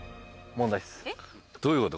どういうこと？